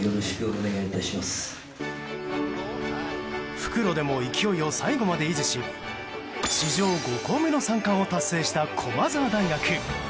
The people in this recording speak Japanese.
復路でも勢いを最後まで維持し史上５校目の３冠を達成した駒澤大学。